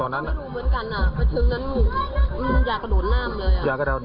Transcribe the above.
ตอนนั้นไม่รู้เหมือนกันไปถึงนั้นอยากระโดดน้ำเลย